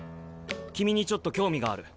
君にちょっと興味がある。